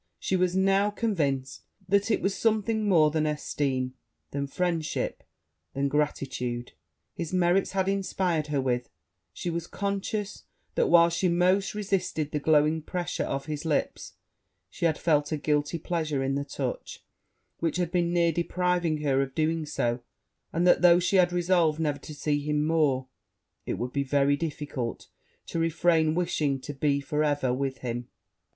She was now convinced that it was something more than esteem than friendship than gratitude his merits had inspired her with; she was conscious that, while she most resisted the glowing pressure of his lips, she had felt a guilty pleasure in the touch which had been near depriving her of doing so; and that, though she had resolved never to see him more, it would be very difficult to refrain wishing to be for ever with him.